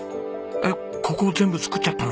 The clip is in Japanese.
えっここ全部作っちゃったの？